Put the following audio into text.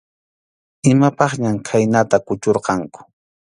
Imapaqñam khaynata kuchurqanku.